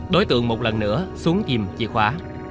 đối tượng một lần nữa xuống tìm chìa khóa